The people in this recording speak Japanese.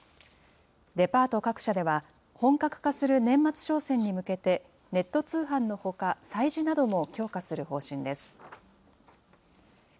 デパート各社では、本格化する年末商戦に向けて、ネット通販のほか、催事なども強化する方針です。